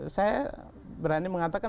saya berani mengatakan